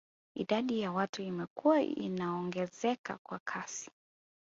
Idadi ya watu imekuwa inaongezeka kwa kasi